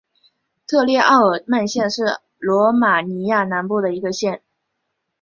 特列奥尔曼县是罗马尼亚南部的一个县。